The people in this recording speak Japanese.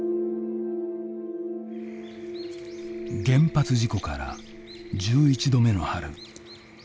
原発事故から１１度目の春。